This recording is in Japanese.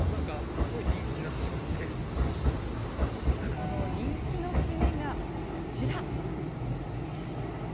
その人気のシメが、こちら。